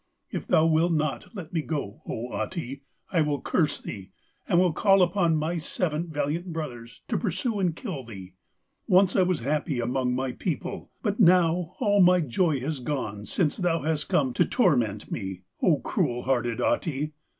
If thou wilt not let me go, O Ahti, I will curse thee and will call upon my seven valiant brothers to pursue and kill thee. Once I was happy among my people, but now all my joy has gone since thou hast come to torment me, O cruel hearted Ahti!'